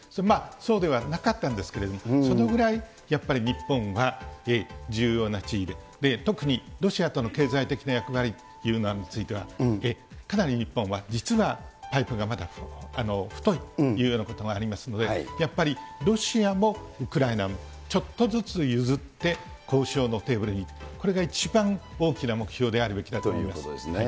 そうではなかったんですけれども、そのぐらい、やっぱり日本は重要な地位で、特にロシアとの経済的な役割というのについては、かなり日本は実はパイプがまだ太いというようなことがありますので、やっぱりロシアもウクライナも、ちょっとずつ譲って、交渉のテーブルに、これが一番大きな目標であるべきだということです。